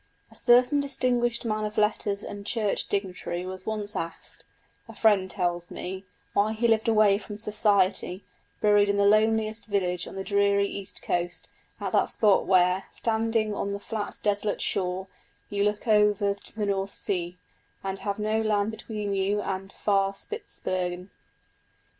A certain distinguished man of letters and Church dignitary was once asked, a friend tells me, why he lived away from society, buried in the loneliest village on the dreary East coast; at that spot where, standing on the flat desolate shore you look over the North Sea, and have no land between you and far Spitzbergen.